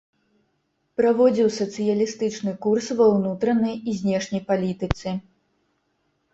Праводзіў сацыялістычны курс ва ўнутранай і знешняй палітыцы.